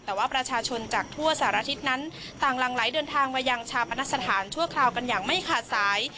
แต่ว่าประชาชนจากทั่วสารทิศนั้นต่างหลังไหลเดินทางมายังชาปนสถานชั่วคราวกันอย่างไม่ขาดสาย